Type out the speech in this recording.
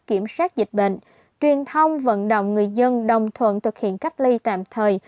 kiểm soát dịch bệnh truyền thông vận động người dân đồng thuận thực hiện cách ly tạm thời